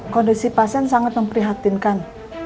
kondisi pasien sangat memprihatinkan